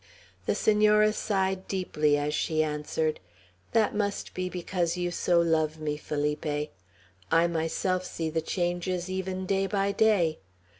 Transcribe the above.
The Senora sighed deeply as she answered: "That must be because you so love me, Felipe. I myself see the changes even day by day.